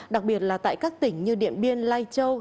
đặc biệt là tại các tỉnh như điện biên lai châu